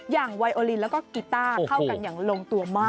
ไวโอลินแล้วก็กีต้าเข้ากันอย่างลงตัวมาก